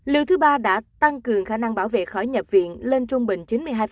liệu thứ ba đã tăng cường khả năng bảo vệ khỏi nhập viện lên trung bình chín mươi hai